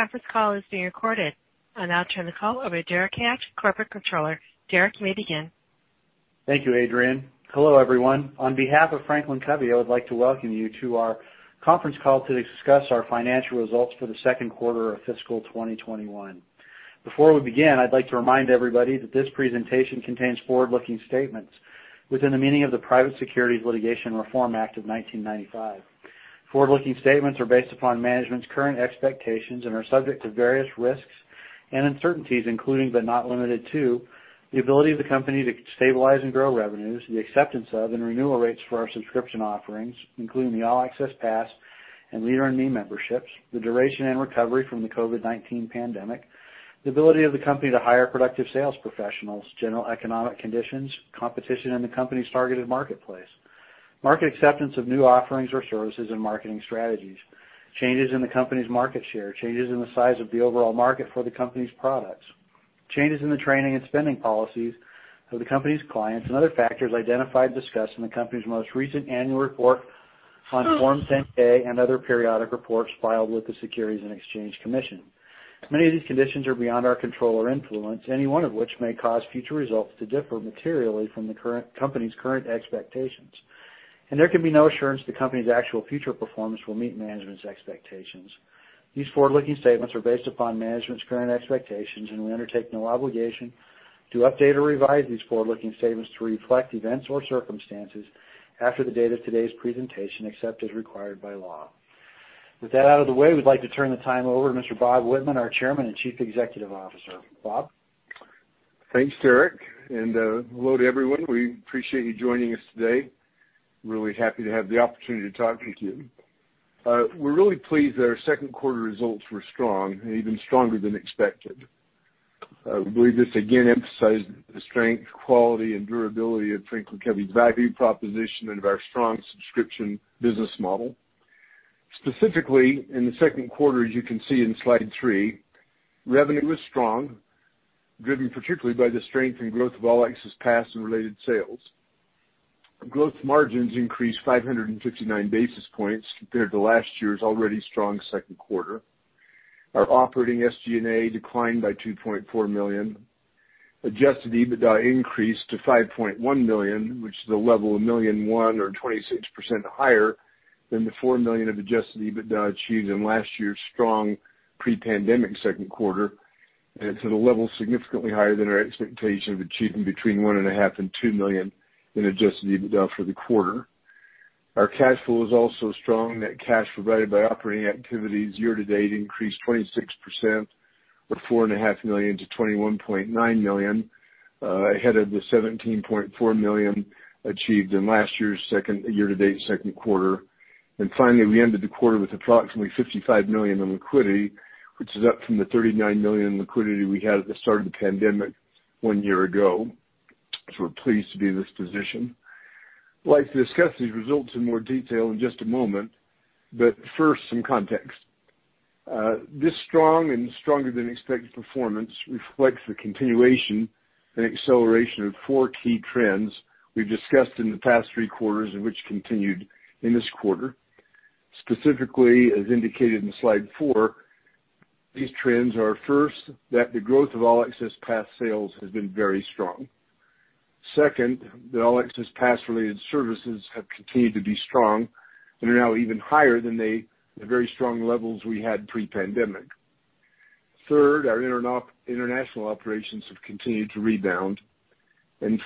This conference call is being recorded. I'll now turn the call over to Derek Koch, Corporate Controller. Derek, you may begin. Thank you, Adrienne. Hello, everyone. On behalf of Franklin Covey, I would like to welcome you to our conference call to discuss our financial results for the second quarter of fiscal 2021. Before we begin, I'd like to remind everybody that this presentation contains forward-looking statements within the meaning of the Private Securities Litigation Reform Act of 1995. Forward-looking statements are based upon management's current expectations and are subject to various risks and uncertainties, including but not limited to, the ability of the company to stabilize and grow revenues, the acceptance of and renewal rates for our subscription offerings, including the All Access Pass and Leader in Me memberships, the duration and recovery from the COVID-19 pandemic, the ability of the company to hire productive sales professionals, general economic conditions, competition in the company's targeted marketplace, market acceptance of new offerings or services and marketing strategies, changes in the company's market share, changes in the size of the overall market for the company's products, changes in the training and spending policies of the company's clients and other factors identified and discussed in the company's most recent annual report on Form 10-K and other periodic reports filed with the Securities and Exchange Commission. Many of these conditions are beyond our control or influence, any one of which may cause future results to differ materially from the company's current expectations, there can be no assurance the company's actual future performance will meet management's expectations. These forward-looking statements are based upon management's current expectations, we undertake no obligation to update or revise these forward-looking statements to reflect events or circumstances after the date of today's presentation, except as required by law. With that out of the way, we'd like to turn the time over to Mr. Bob Whitman, our Chairman and Chief Executive Officer. Bob? Thanks, Derek, and hello to everyone. We appreciate you joining us today. Really happy to have the opportunity to talk with you. We're really pleased that our second quarter results were strong and even stronger than expected. We believe this again emphasizes the strength, quality, and durability of Franklin Covey's value proposition and of our strong subscription business model. Specifically, in the second quarter, as you can see in Slide three, revenue was strong, driven particularly by the strength and growth of All Access Pass and related sales. Gross margins increased 559 basis points compared to last year's already strong second quarter. Our operating SG&A declined by $2.4 million. Adjusted EBITDA increased to $5.1 million, which is a level of $1.1 million or 26% higher than the $4 million of Adjusted EBITDA achieved in last year's strong pre-pandemic second quarter, and to the level significantly higher than our expectation of achieving between $1.5 million and $2 million in Adjusted EBITDA for the quarter. Our cash flow was also strong. Net cash provided by operating activities year-to-date increased 26% or $4.5 million to $21.9 million, ahead of the $17.4 million achieved in last year's year-to-date second quarter. Finally, we ended the quarter with approximately $55 million in liquidity, which is up from the $39 million in liquidity we had at the start of the pandemic one year ago. We're pleased to be in this position. I'd like to discuss these results in more detail in just a moment, first, some context. This strong and stronger-than-expected performance reflects the continuation and acceleration of four key trends we've discussed in the past three quarters and which continued in this quarter. Specifically, as indicated in Slide four, these trends are, first, that the growth of All Access Pass sales has been very strong. Second, that All Access Pass-related services have continued to be strong and are now even higher than the very strong levels we had pre-pandemic. Third, our international operations have continued to rebound.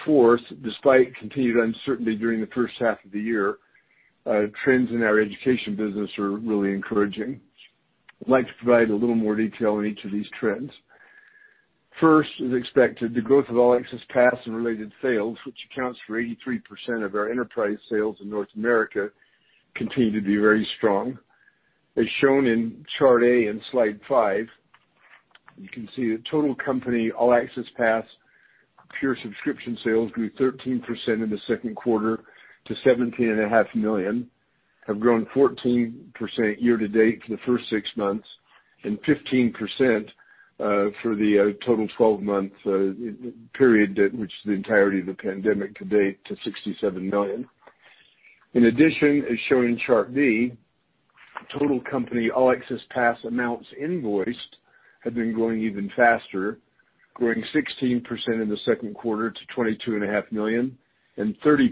Fourth, despite continued uncertainty during the first half of the year, trends in our education business are really encouraging. I'd like to provide a little more detail on each of these trends. First, as expected, the growth of All Access Pass and related sales, which accounts for 83% of our enterprise sales in North America, continued to be very strong. As shown in Chart A in Slide five, you can see that total company All Access Pass pure subscription sales grew 13% in the second quarter to $17.5 million, have grown 14% year-to-date for the first six months, and 15% for the total 12-month period, which is the entirety of the pandemic to date, to $67 million. In addition, as shown in Chart D, total company All Access Pass amounts invoiced have been growing even faster, growing 16% in the second quarter to $22.5 million and 30%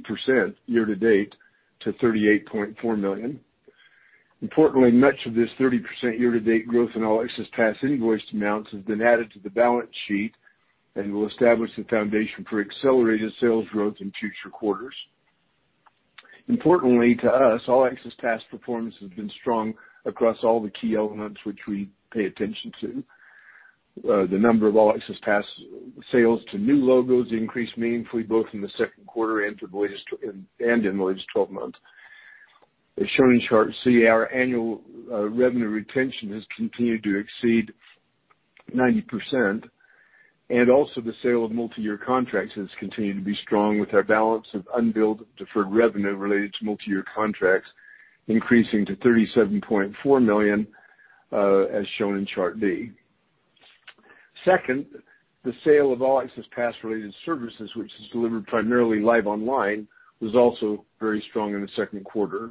year-to-date to $38.4 million. Importantly, much of this 30% year-to-date growth in All Access Pass invoiced amounts has been added to the balance sheet and will establish the foundation for accelerated sales growth in future quarters. Importantly to us, All Access Pass performance has been strong across all the key elements which we pay attention to. The number of All Access Pass sales to new logos increased meaningfully both in the second quarter and in the latest 12 months. As shown in Chart C, our annual revenue retention has continued to exceed 90%, and also the sale of multi-year contracts has continued to be strong with our balance of unbilled deferred revenue related to multi-year contracts increasing to $37.4 million, as shown in Chart D. Second, the sale of All Access Pass related services, which is delivered primarily live online, was also very strong in the second quarter.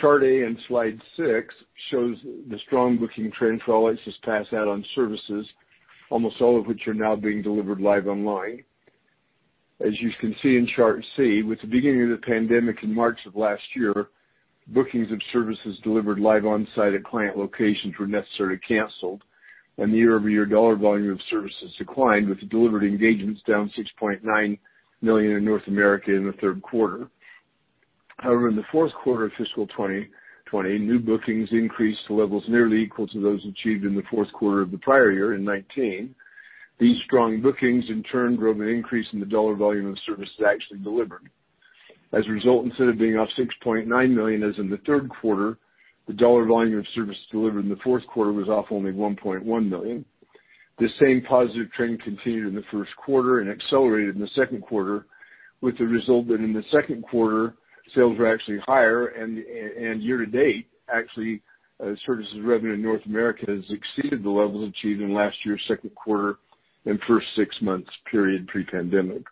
Chart A in slide six shows the strong booking trend for All Access Pass add-on services, almost all of which are now being delivered live online. As you can see in Chart C, with the beginning of the pandemic in March of last year, bookings of services delivered live on-site at client locations were necessarily canceled, and the year-over-year dollar volume of services declined, with delivered engagements down $6.9 million in North America in the third quarter. In the fourth quarter of fiscal 2020, new bookings increased to levels nearly equal to those achieved in the fourth quarter of the prior year in 2019. These strong bookings in turn drove an increase in the dollar volume of services actually delivered. Instead of being off $6.9 million as in the third quarter, the dollar volume of services delivered in the fourth quarter was off only $1.1 million. This same positive trend continued in the first quarter and accelerated in the second quarter with the result that in the second quarter, sales were actually higher, and year to date, actually, services revenue in North America has exceeded the levels achieved in last year's second quarter and first six months period pre-pandemic.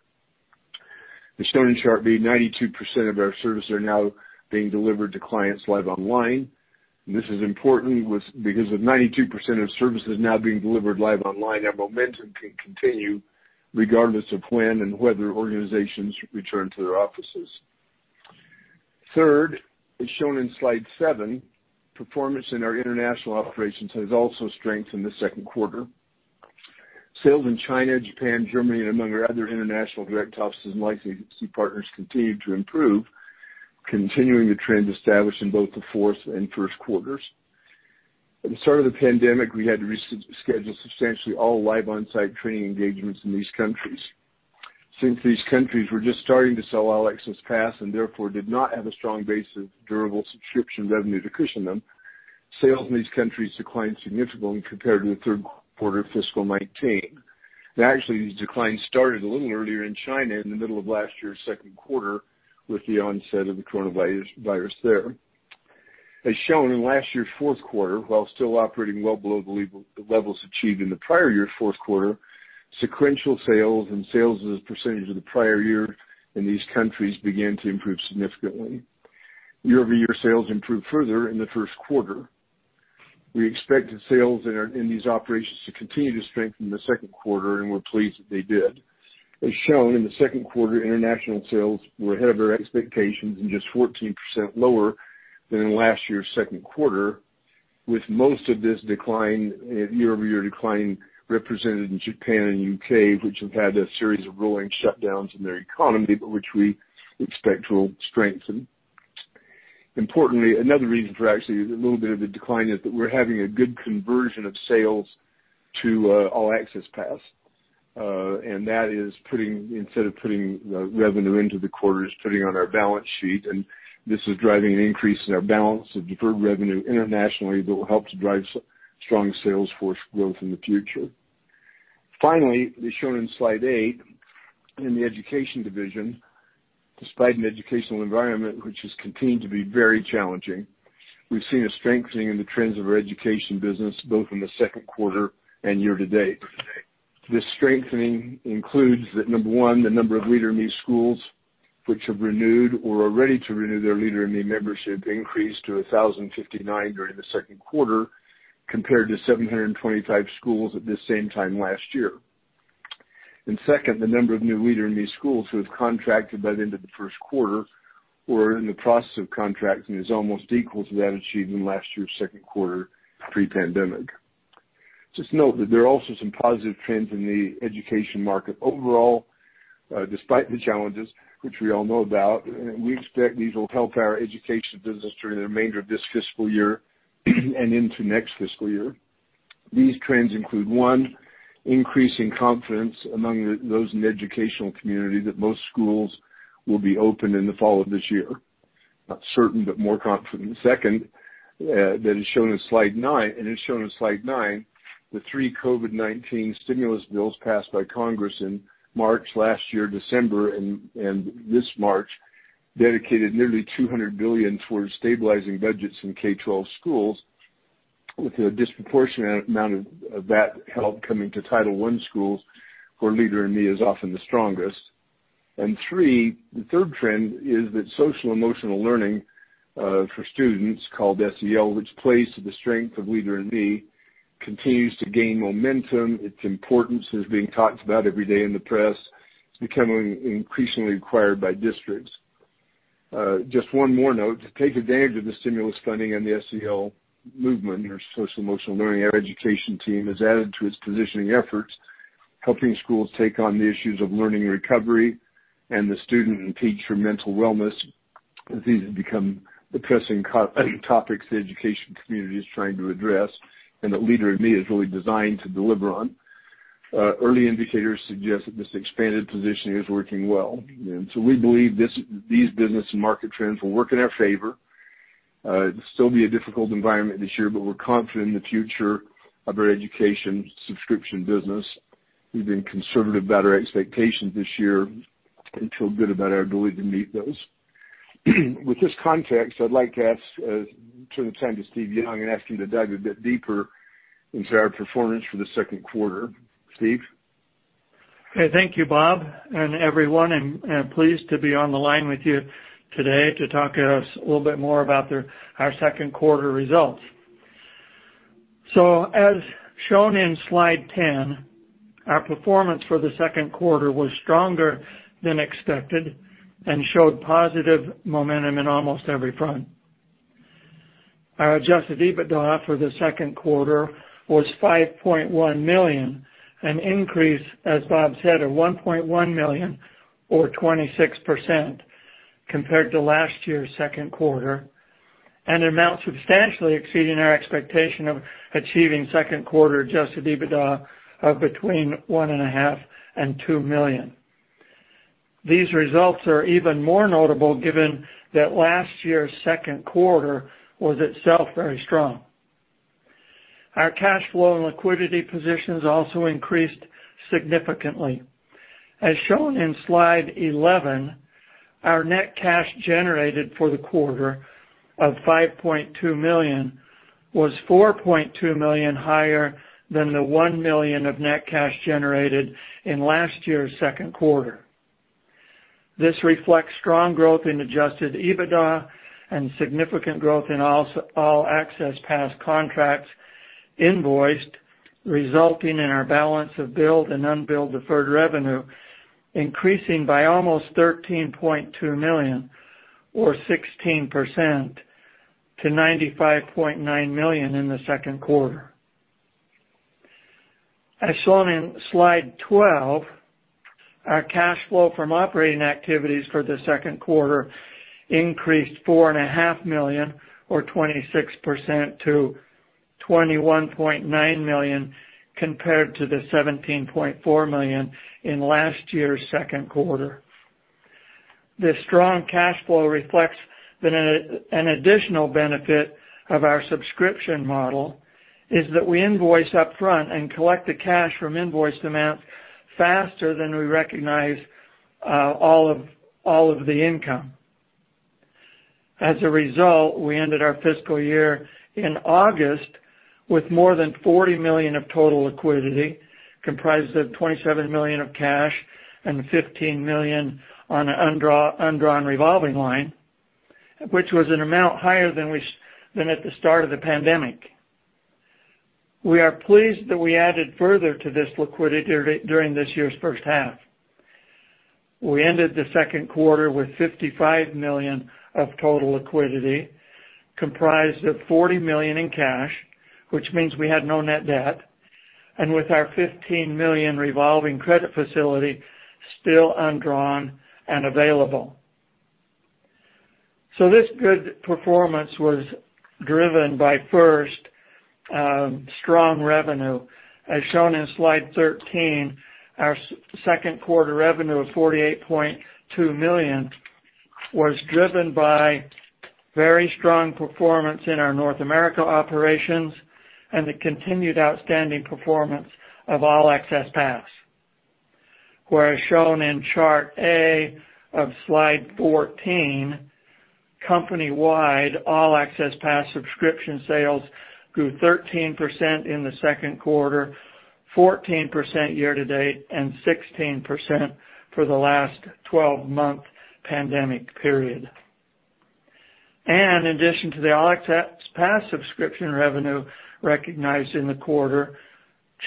As shown in Chart B, 92% of our services are now being delivered to clients live online, this is important because with 92% of services now being delivered live online, our momentum can continue regardless of when and whether organizations return to their offices. Third, as shown in slide seven, performance in our international operations has also strengthened the second quarter. Sales in China, Japan, Germany, and among our other international direct offices and licensing agency partners continued to improve, continuing the trend established in both the fourth and first quarters. At the start of the pandemic, we had to reschedule substantially all live on-site training engagements in these countries. Since these countries were just starting to sell All Access Pass and therefore did not have a strong base of durable subscription revenue to cushion them, sales in these countries declined significantly compared to the third quarter of fiscal 2019. Actually, these declines started a little earlier in China in the middle of last year's second quarter with the onset of the coronavirus there. As shown in last year's fourth quarter, while still operating well below the levels achieved in the prior year's fourth quarter, sequential sales and sales as a percentage of the prior year in these countries began to improve significantly. Year-over-year sales improved further in the first quarter. We expected sales in these operations to continue to strengthen the second quarter, we're pleased that they did. As shown in the second quarter, international sales were ahead of our expectations and just 14% lower than in last year's second quarter, with most of this year-over-year decline represented in Japan and U.K., which have had a series of rolling shutdowns in their economy, but which we expect will strengthen. Importantly, another reason for actually a little bit of the decline is that we're having a good conversion of sales to All Access Pass. That is instead of putting the revenue into the quarters, putting it on our balance sheet. This is driving an increase in our balance of deferred revenue internationally that will help to drive strong sales force growth in the future. Finally, as shown in slide eight, in the Education division, despite an educational environment which has continued to be very challenging, we've seen a strengthening in the trends of our Education business both in the second quarter and year to date. This strengthening includes that, number one, the number of Leader in Me schools which have renewed or are ready to renew their Leader in Me membership increased to 1,059 during the second quarter compared to 725 schools at the same time last year. Second, the number of new Leader in Me schools who have contracted by the end of the first quarter or are in the process of contracting is almost equal to that achieved in last year's second quarter pre-pandemic. Just note that there are also some positive trends in the education market overall, despite the challenges which we all know about. We expect these will help our Education business during the remainder of this fiscal year and into next fiscal year. These trends include, one, increasing confidence among those in the educational community that most schools will be open in the fall of this year. Not certain, but more confident. Second, that is shown in slide nine, the three COVID-19 stimulus bills passed by Congress in March last year, December, and this March dedicated nearly $200 billion towards stabilizing budgets in K-12 schools with a disproportionate amount of that help coming to Title I schools, where Leader in Me is often the strongest. Three, the third trend is that social emotional learning for students, called SEL, which plays to the strength of Leader in Me, continues to gain momentum. Its importance is being talked about every day in the press. It's becoming increasingly required by districts. Just one more note. To take advantage of the stimulus funding and the SEL movement, or social emotional learning, our Education team has added to its positioning efforts, helping schools take on the issues of learning recovery and the student and teacher mental wellness, as these have become the pressing topics the education community is trying to address and that Leader in Me is really designed to deliver on. Early indicators suggest that this expanded positioning is working well. We believe these business and market trends will work in our favor. It'll still be a difficult environment this year, but we're confident in the future of our Education subscription business. We've been conservative about our expectations this year and feel good about our ability to meet those. With this context, I'd like to turn the time to Steve Young and ask him to dive a bit deeper into our performance for the second quarter. Steve? Okay. Thank you, Bob, and everyone. I'm pleased to be on the line with you today to talk a little bit more about our second quarter results. As shown in slide 10, our performance for the second quarter was stronger than expected and showed positive momentum in almost every front. Our Adjusted EBITDA for the second quarter was $5.1 million, an increase, as Bob said, of $1.1 million or 26% compared to last year's second quarter, an amount substantially exceeding our expectation of achieving second quarter Adjusted EBITDA of between $1.5 million and $2 million. These results are even more notable given that last year's second quarter was itself very strong. Our cash flow and liquidity positions also increased significantly. As shown in slide 11, our net cash generated for the quarter of $5.2 million was $4.2 million higher than the $1 million of net cash generated in last year's second quarter. This reflects strong growth in Adjusted EBITDA and significant growth in All Access Pass contracts invoiced, resulting in our balance of billed and unbilled deferred revenue increasing by almost $13.2 million or 16% to $95.9 million in the second quarter. As shown in slide 12, our cash flow from operating activities for the second quarter increased $4.5 million or 26% to $21.9 million, compared to the $17.4 million in last year's second quarter. This strong cash flow reflects that an additional benefit of our subscription model is that we invoice up front and collect the cash from invoiced amounts faster than we recognize all of the income. As a result, we ended our fiscal year in August with more than $40 million of total liquidity, comprised of $27 million of cash and $15 million on undrawn revolving line, which was an amount higher than at the start of the pandemic. We are pleased that we added further to this liquidity during this year's first half. We ended the second quarter with $55 million of total liquidity, comprised of $40 million in cash, which means we had no net debt, and with our $15 million revolving credit facility still undrawn and available. This good performance was driven by, first, strong revenue. As shown in slide 13, our second quarter revenue of $48.2 million was driven by very strong performance in our North America operations and the continued outstanding performance of All Access Pass, where as shown in chart A of slide 14, company-wide All Access Pass subscription sales grew 13% in the second quarter, 14% year-to-date, and 16% for the last 12-month pandemic period. In addition to the All Access Pass subscription revenue recognized in the quarter,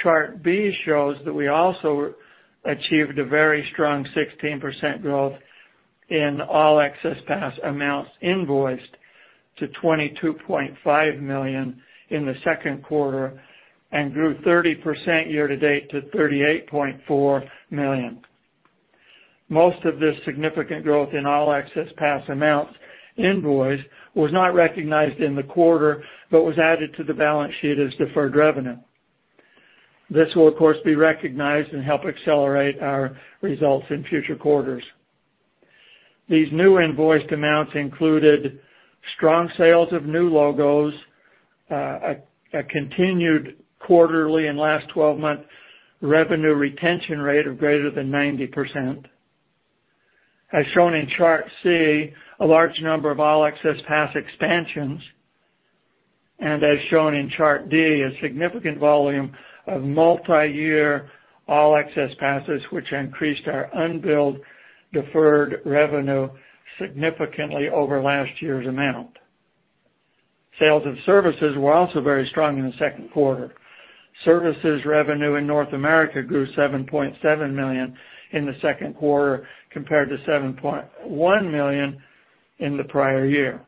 chart B shows that we also achieved a very strong 16% growth in All Access Pass amounts invoiced to $22.5 million in the second quarter and grew 30% year-to-date to $38.4 million. Most of this significant growth in All Access Pass amounts invoice was not recognized in the quarter, but was added to the balance sheet as deferred revenue. This will, of course, be recognized and help accelerate our results in future quarters. These new invoiced amounts included strong sales of new logos, a continued quarterly and last 12-month revenue retention rate of greater than 90%. As shown in chart C, a large number of All Access Pass expansions, and as shown in chart D, a significant volume of multi-year All Access Passes, which increased our unbilled deferred revenue significantly over last year's amount. Sales and services were also very strong in the second quarter. Services revenue in North America grew $7.7 million in the second quarter, compared to $7.1 million in the prior year.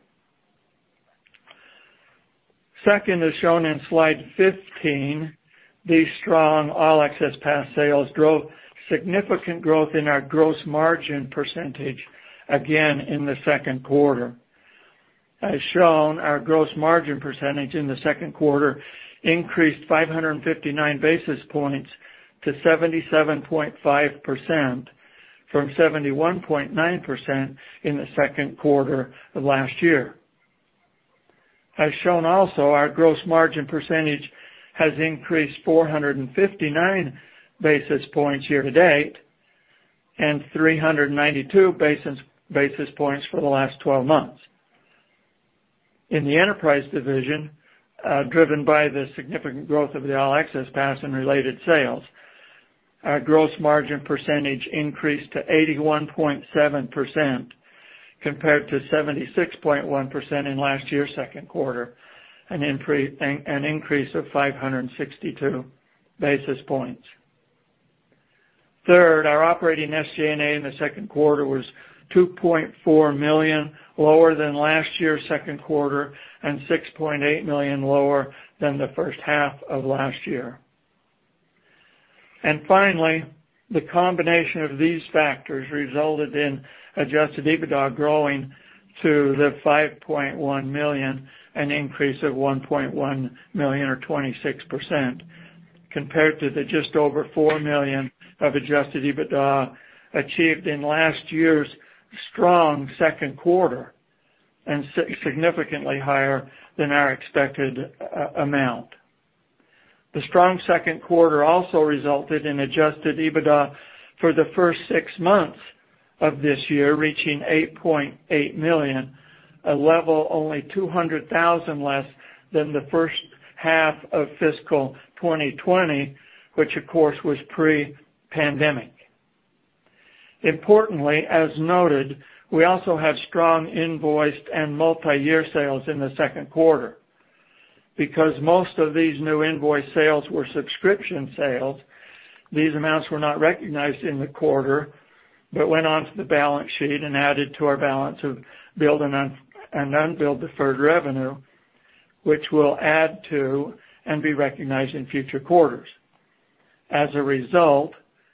Second, as shown in slide 15, these strong All Access Pass sales drove significant growth in our gross margin percentage again in the second quarter. As shown, our gross margin percentage in the second quarter increased 559 basis points to 77.5% from 71.9% in the second quarter of last year. As shown also, our gross margin percentage has increased 459 basis points year-to-date, and 392 basis points for the last 12 months. In the Enterprise Division, driven by the significant growth of the All Access Pass and related sales, our gross margin percentage increased to 81.7%, compared to 76.1% in last year's second quarter, an increase of 562 basis points. Third, our operating SG&A in the second quarter was $2.4 million, lower than last year's second quarter, and $6.8 million lower than the first half of last year. Finally, the combination of these factors resulted in Adjusted EBITDA growing to $5.1 million, an increase of $1.1 million, or 26%, compared to the just over $4 million of Adjusted EBITDA achieved in last year's strong second quarter, and significantly higher than our expected amount. The strong second quarter also resulted in Adjusted EBITDA for the first six months of this year, reaching $8.8 million, a level only $200,000 less than the first half of fiscal 2020, which of course, was pre-pandemic. Importantly, as noted, we also have strong invoiced and multi-year sales in the second quarter. Because most of these new invoice sales were subscription sales, these amounts were not recognized in the quarter, but went onto the balance sheet and added to our balance of billed and unbilled deferred revenue, which we'll add to and be recognized in future quarters. As a result,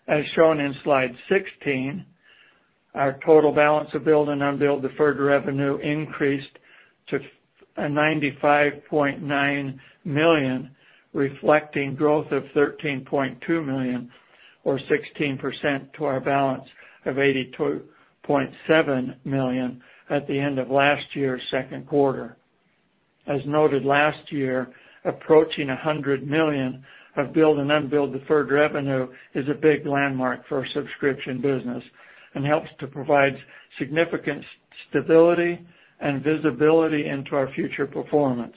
as shown in slide 16, our total balance of billed and unbilled deferred revenue increased to $95.9 million, reflecting growth of $13.2 million, or 16%, to our balance of $82.7 million at the end of last year's second quarter. As noted last year, approaching $100 million of billed and unbilled deferred revenue is a big landmark for a subscription business, and helps to provide significant stability and visibility into our future performance.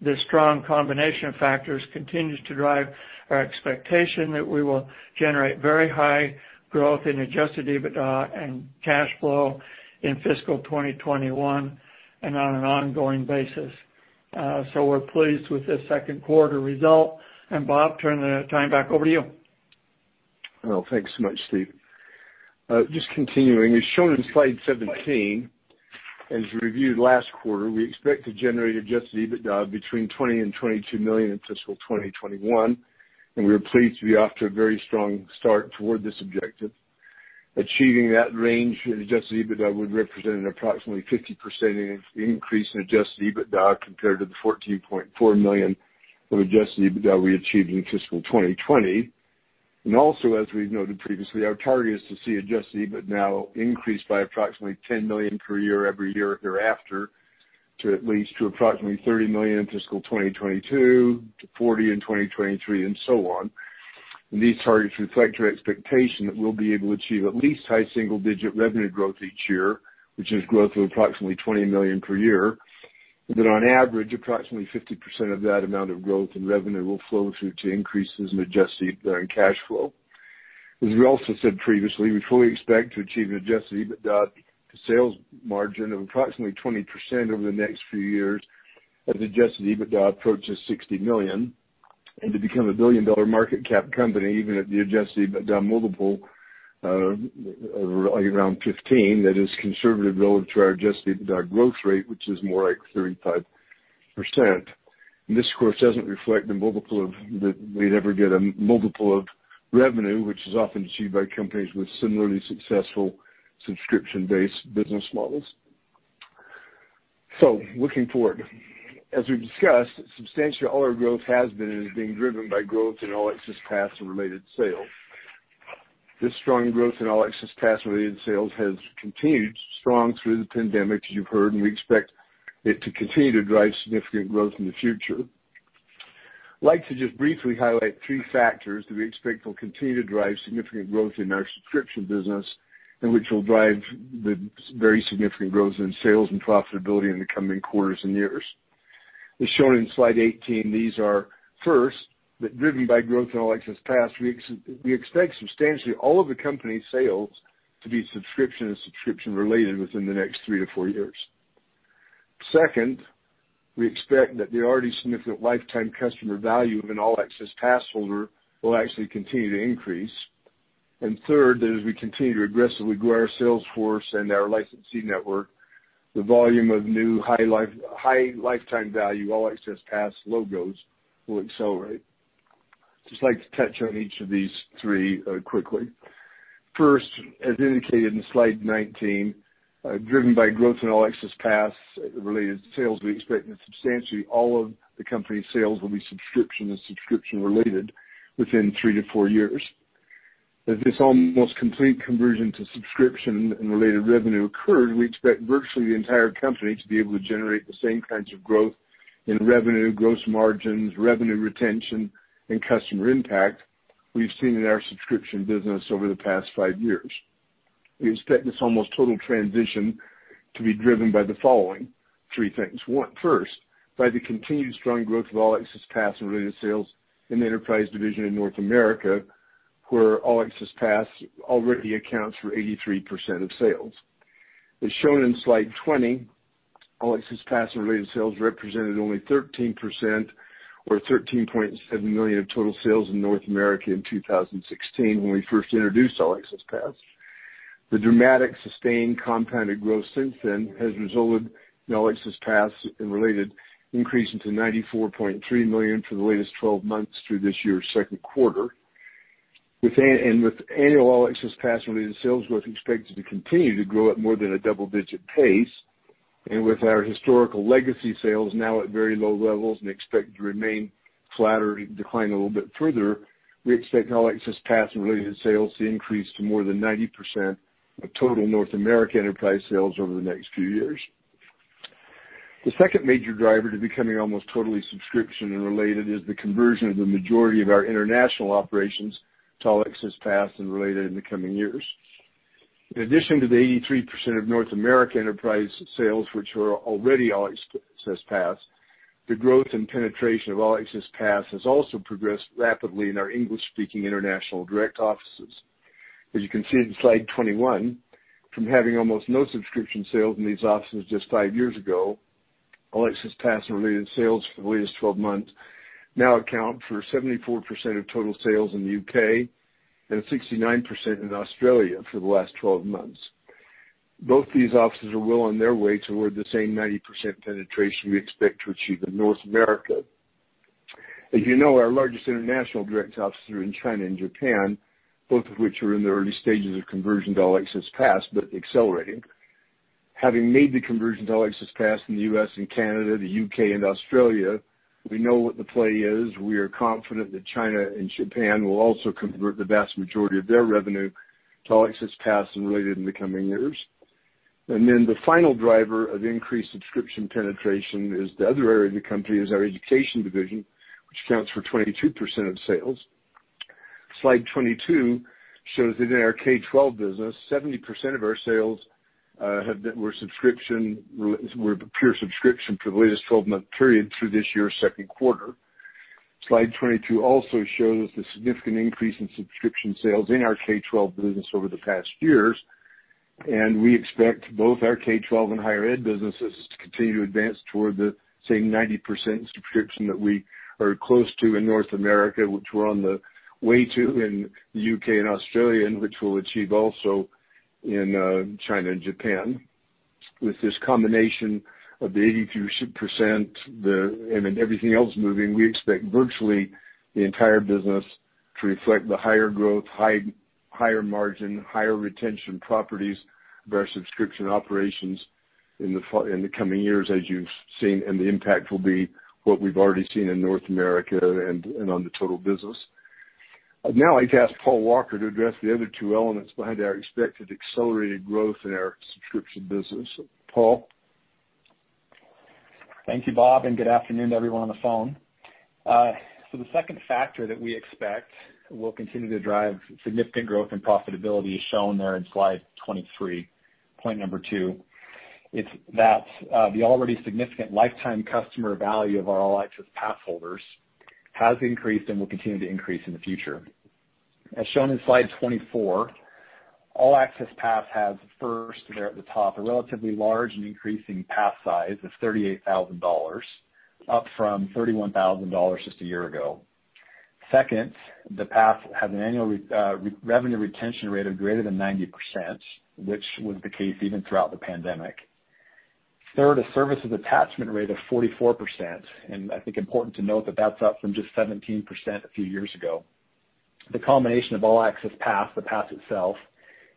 This strong combination of factors continues to drive our expectation that we will generate very high growth in Adjusted EBITDA and cash flow in fiscal 2021, and on an ongoing basis. We're pleased with this second quarter result. Bob, turn the time back over to you. Well, thanks so much, Steve. Just continuing. As shown in slide 17, as we reviewed last quarter, we expect to generate Adjusted EBITDA between $20 million and $22 million in fiscal 2021, and we are pleased to be off to a very strong start toward this objective. Achieving that range in Adjusted EBITDA would represent an approximately 50% increase in Adjusted EBITDA compared to the $14.4 million of Adjusted EBITDA we achieved in fiscal 2020. Also, as we've noted previously, our target is to see Adjusted EBITDA increase by approximately $10 million per year every year thereafter, to at least to approximately $30 million in fiscal 2022, to $40 million in 2023, and so on. These targets reflect our expectation that we'll be able to achieve at least high single-digit revenue growth each year, which is growth of approximately $20 million per year, but that on average, approximately 50% of that amount of growth in revenue will flow through to increases in Adjusted EBITDA and cash flow. As we also said previously, we fully expect to achieve an Adjusted EBITDA to sales margin of approximately 20% over the next few years as Adjusted EBITDA approaches $60 million, and to become a billion-dollar market cap company, even at the Adjusted EBITDA multiple of around 15x, that is conservative relative to our Adjusted EBITDA growth rate, which is more like 35%. This, of course, doesn't reflect the multiple of revenue, which is often achieved by companies with similarly successful subscription-based business models. Looking forward. As we've discussed, substantial All Access growth has been and is being driven by growth in All Access Pass and related sales. This strong growth in All Access Pass-related sales has continued strong through the pandemic, as you've heard, and we expect it to continue to drive significant growth in the future. I'd like to just briefly highlight three factors that we expect will continue to drive significant growth in our subscription business, and which will drive the very significant growth in sales and profitability in the coming quarters and years. As shown in slide 18, these are, first, that driven by growth in All Access Pass, we expect substantially all of the company's sales to be subscription and subscription-related within the next three to four years. Second, we expect that the already significant lifetime customer value of an All Access Pass holder will actually continue to increase. Third, that as we continue to aggressively grow our sales force and our licensee network, the volume of new high lifetime value All Access Pass logos will accelerate. Just like to touch on each of these three quickly. First, as indicated in slide 19, driven by growth in All Access Pass-related sales, we expect that substantially all of the company's sales will be subscription and subscription-related within three to four years. As this almost complete conversion to subscription and related revenue occurred, we expect virtually the entire company to be able to generate the same kinds of growth in revenue, gross margins, revenue retention, and customer impact we've seen in our subscription business over the past five years. We expect this almost total transition to be driven by the following three things. First, by the continued strong growth of All Access Pass and related sales in the enterprise division in North America, where All Access Pass already accounts for 83% of sales. As shown in slide 20, All Access Pass and related sales represented only 13% or $13.7 million of total sales in North America in 2016 when we first introduced All Access Pass. The dramatic, sustained compounded growth since then has resulted in All Access Pass and related increasing to $94.3 million for the latest 12 months through this year's second quarter. With annual All Access Pass related sales growth expected to continue to grow at more than a double-digit pace, and with our historical legacy sales now at very low levels and expected to remain flat or decline a little bit further, we expect All Access Pass and related sales to increase to more than 90% of total North America enterprise sales over the next few years. The second major driver to becoming almost totally subscription and related is the conversion of the majority of our international operations to All Access Pass and related in the coming years. In addition to the 83% of North America enterprise sales, which are already All Access Pass, the growth and penetration of All Access Pass has also progressed rapidly in our English-speaking international direct offices. As you can see in slide 21, from having almost no subscription sales in these offices just five years ago, All Access Pass and related sales for the latest 12 months now account for 74% of total sales in the U.K. and 69% in Australia for the last 12 months. Both these offices are well on their way toward the same 90% penetration we expect to achieve in North America. As you know, our largest international direct offices are in China and Japan, both of which are in the early stages of conversion to All Access Pass, but accelerating. Having made the conversion to All Access Pass in the U.S. and Canada, the U.K., and Australia, we know what the play is. We are confident that China and Japan will also convert the vast majority of their revenue to All Access Pass and related in the coming years. The final driver of increased subscription penetration is the other area of the company, is our education division, which accounts for 22% of sales. Slide 22 shows that in our K12 business, 70% of our sales were pure subscription for the latest 12-month period through this year's second quarter. Slide 22 also shows the significant increase in subscription sales in our K12 business over the past years, and we expect both our K12 and higher ed businesses to continue to advance toward the same 90% subscription that we are close to in North America, which we're on the way to in the U.K. and Australia, and which we'll achieve also in China and Japan. With this combination of the 82% and then everything else moving, we expect virtually the entire business to reflect the higher growth, higher margin, higher retention properties of our subscription operations in the coming years, as you've seen, and the impact will be what we've already seen in North America and on the total business. I'd ask Paul Walker to address the other two elements behind our expected accelerated growth in our subscription business. Paul? Thank you, Bob, and good afternoon to everyone on the phone. The second factor that we expect will continue to drive significant growth and profitability is shown there in slide 23, point number two. It's that the already significant lifetime customer value of our All Access Pass holders has increased and will continue to increase in the future. As shown in slide 24, All Access Pass has first, there at the top, a relatively large and increasing pass size of $38,000, up from $31,000 just a year ago. Second, the pass has an annual revenue retention rate of greater than 90%, which was the case even throughout the pandemic. Third, a services attachment rate of 44%, and I think important to note that that's up from just 17% a few years ago. The combination of All Access Pass, the pass itself,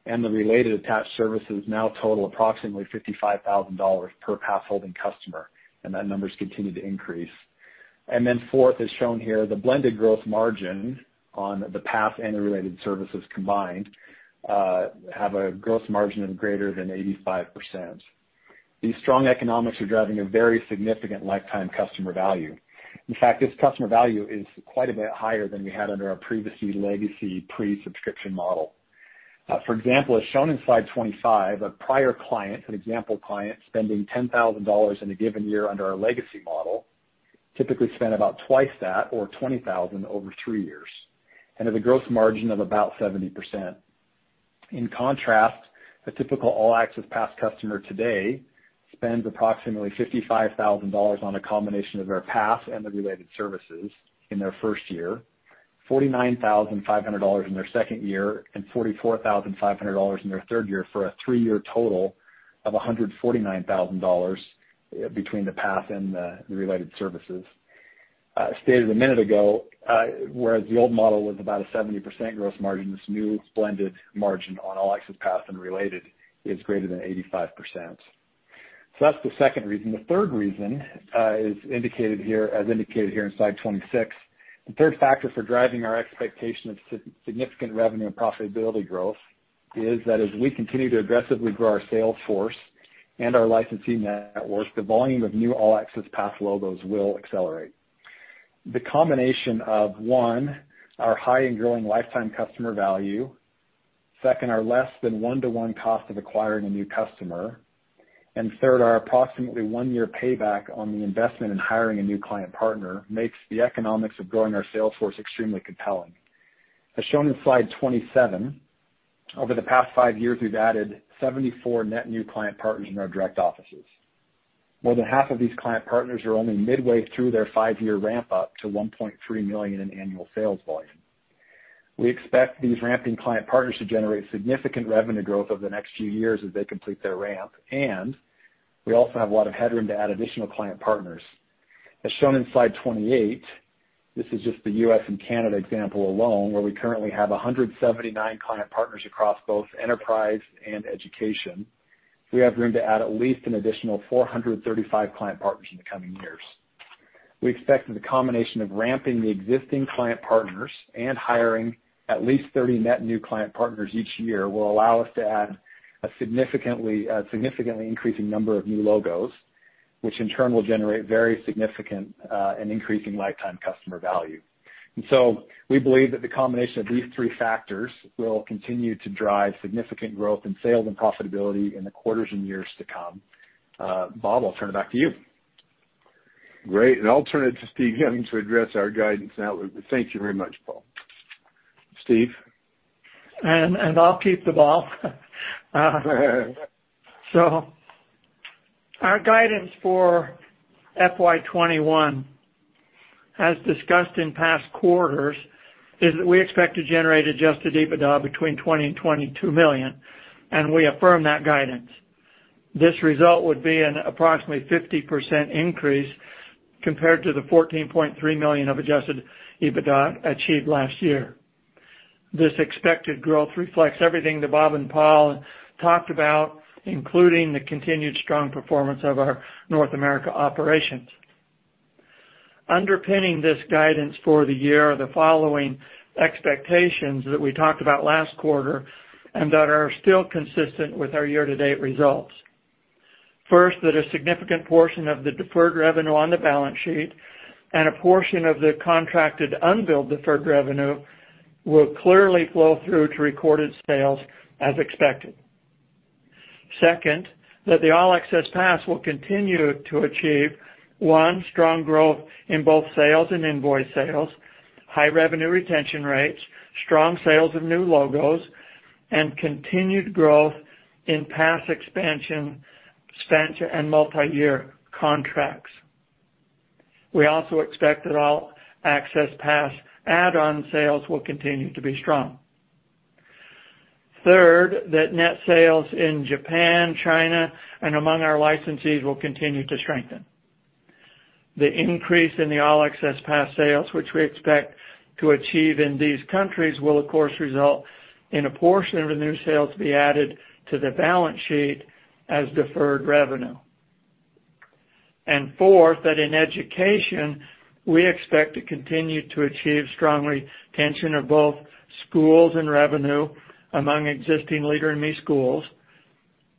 and the related attached services now total approximately $55,000 per pass-holding customer, and that number's continued to increase. Fourth, as shown here, the blended growth margin on the pass and the related services combined have a gross margin of greater than 85%. These strong economics are driving a very significant lifetime customer value. In fact, this customer value is quite a bit higher than we had under our previous legacy pre-subscription model. For example, as shown in slide 25, a prior client, an example client spending $10,000 in a given year under our legacy model typically spent about twice that or $20,000 over three years and has a gross margin of about 70%. In contrast, a typical All Access Pass customer today spends approximately $55,000 on a combination of their pass and the related services in their first year, $49,500 in their second year, and $44,500 in their third year for a three-year total of $149,000 between the pass and the related services. Stated a minute ago, whereas the old model was about a 70% gross margin, this new blended margin on All Access Pass and related is greater than 85%. That's the second reason. The third reason is indicated here on slide 26. The third factor for driving our expectation of significant revenue and profitability growth is that as we continue to aggressively grow our sales force and our licensing network, the volume of new All Access Pass logos will accelerate. The combination of one, our high and growing lifetime customer value, second, our less than one-to-one cost of acquiring a new customer, and third, our approximately one-year payback on the investment in hiring a new client partner makes the economics of growing our sales force extremely compelling. As shown in slide 27, over the past five years, we've added 74 net new client partners in our direct offices. More than half of these client partners are only midway through their five-year ramp up to $1.3 million in annual sales volume. We expect these ramping client partners to generate significant revenue growth over the next few years as they complete their ramp, and we also have a lot of headroom to add additional client partners. As shown in slide 28, this is just the U.S. and Canada example alone, where we currently have 179 client partners across both enterprise and education. We have room to add at least an additional 435 client partners in the coming years. We expect that the combination of ramping the existing client partners and hiring at least 30 net new client partners each year will allow us to add a significantly increasing number of new logos, which in turn will generate very significant and increasing lifetime customer value. So we believe that the combination of these three factors will continue to drive significant growth in sales and profitability in the quarters and years to come. Bob, I'll turn it back to you. Great. I'll turn it to Steve Young to address our guidance outlook. Thank you very much, Paul. Steve? I'll keep the ball. Our guidance for FY 2021, as discussed in past quarters, is that we expect to generate Adjusted EBITDA between $20 million-$22 million, and we affirm that guidance. This result would be an approximately 50% increase compared to the $14.3 million of Adjusted EBITDA achieved last year. This expected growth reflects everything that Bob and Paul talked about, including the continued strong performance of our North America operations. Underpinning this guidance for the year are the following expectations that we talked about last quarter and that are still consistent with our year-to-date results. First, that a significant portion of the deferred revenue on the balance sheet and a portion of the contracted unbilled deferred revenue will clearly flow through to recorded sales as expected. Second, that the All Access Pass will continue to achieve, 1, strong growth in both sales and invoice sales, high revenue retention rates, strong sales of new logos, and continued growth in pass expansion, spend, and multi-year contracts. We also expect that All Access Pass add-on sales will continue to be strong. Third, that net sales in Japan, China, and among our licensees will continue to strengthen. The increase in the All Access Pass sales, which we expect to achieve in these countries, will, of course, result in a portion of the new sales be added to the balance sheet as deferred revenue. Fourth, that in education, we expect to continue to achieve strong retention of both schools and revenue among existing Leader in Me schools.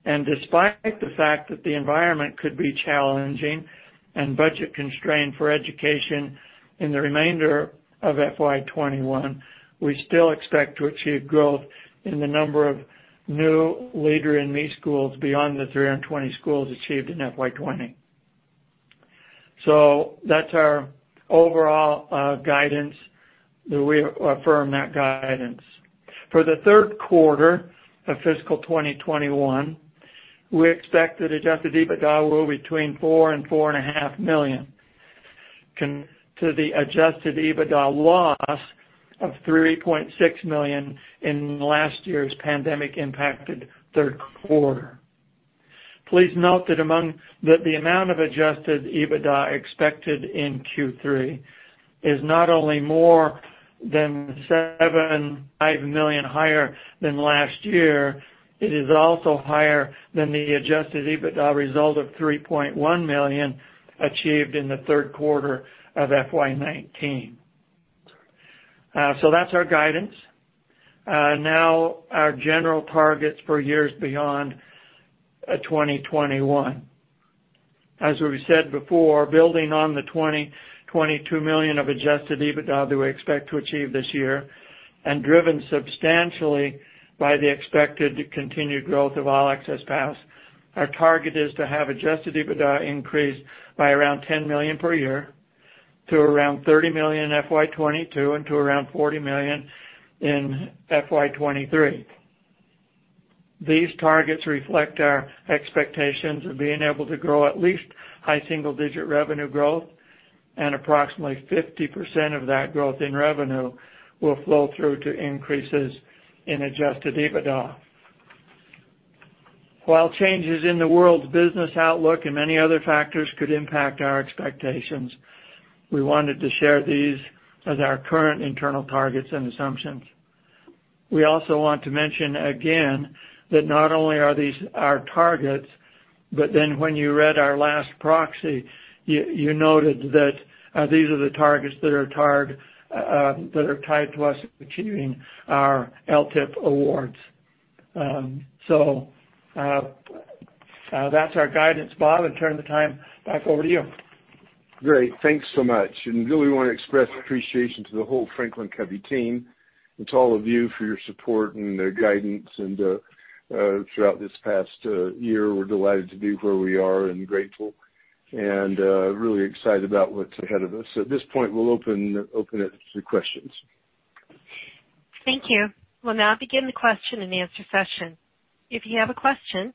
Despite the fact that the environment could be challenging and budget-constrained for education in the remainder of FY 2021, we still expect to achieve growth in the number of new Leader in Me schools beyond the 320 schools achieved in FY 2020. That's our overall guidance, that we affirm that guidance. For the third quarter of fiscal 2021, we expect that Adjusted EBITDA will be between $4 million and $4.5 million to the Adjusted EBITDA loss of $3.6 million in last year's pandemic-impacted third quarter. Please note that the amount of Adjusted EBITDA expected in Q3 is not only more than $7.5 million higher than last year, it is also higher than the Adjusted EBITDA result of $3.1 million achieved in the third quarter of FY 2019. That's our guidance. Now our general targets for years beyond 2021. As we said before, building on the $20 million-$22 million of Adjusted EBITDA that we expect to achieve this year, driven substantially by the expected continued growth of All Access Pass, our target is to have Adjusted EBITDA increase by around $10 million per year to around $30 million in FY 2022 and to around $40 million in FY 2023. These targets reflect our expectations of being able to grow at least high single-digit revenue growth and approximately 50% of that growth in revenue will flow through to increases in Adjusted EBITDA. While changes in the world's business outlook and many other factors could impact our expectations, we wanted to share these as our current internal targets and assumptions. We also want to mention again that not only are these our targets, but then when you read our last proxy, you noted that these are the targets that are tied to us achieving our LTIP awards. That's our guidance. Bob, I turn the time back over to you. Great. Thanks so much. Really want to express appreciation to the whole Franklin Covey team and to all of you for your support and guidance throughout this past year. We're delighted to be where we are and grateful and really excited about what's ahead of us. At this point, we'll open it to questions. Thank you. We'll now begin the question and answer session. If you have a question,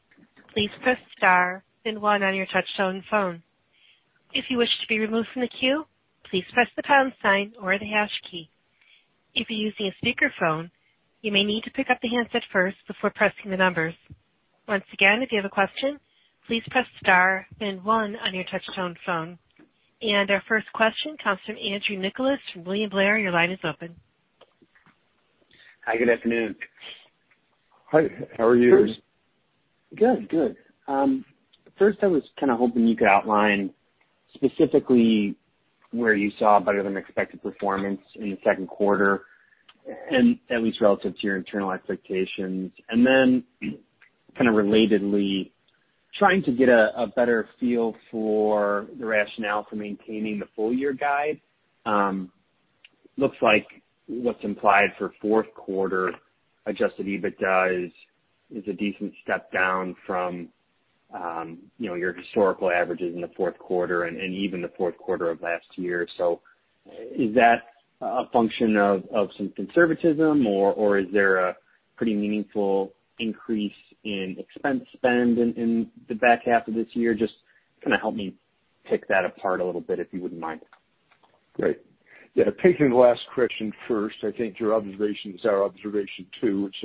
please press star then one on your touchtone phone. If you wish to be removed from the queue, please press the pound sign or the hash key. If you're using a speakerphone, you may need to pick up the handset first before pressing the numbers. Once again, if you have a question, please press star then one on your touchtone phone. Our first question comes from Andrew Nicholas from William Blair. Your line is open. Hi, good afternoon. Hi, how are you? Good. First, I was kind of hoping you could outline specifically where you saw better than expected performance in the second quarter and at least relative to your internal expectations. Then kind of relatedly, trying to get a better feel for the rationale for maintaining the full year guide. Looks like what's implied for fourth quarter Adjusted EBITDA is a decent step down from your historical averages in the fourth quarter and even the fourth quarter of last year. Is that a function of some conservatism or is there a pretty meaningful increase in expense spend in the back half of this year? Just help me pick that apart a little bit, if you wouldn't mind. Great. Yeah, taking the last question first, I think your observation is our observation, too, which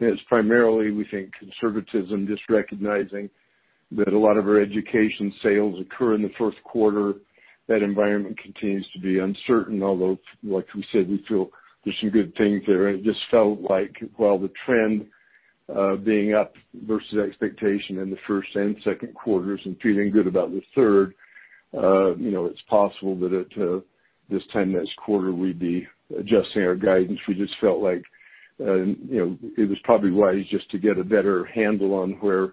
is primarily we think conservatism, just recognizing that a lot of our education sales occur in the first quarter. That environment continues to be uncertain, although, like we said, we feel there's some good things there. It just felt like while the trend, being up versus expectation in the first and second quarters and feeling good about the third, it's possible that at this time next quarter we'd be adjusting our guidance. We just felt like it was probably wise just to get a better handle on where